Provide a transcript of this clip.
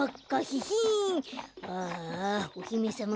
ああおひめさま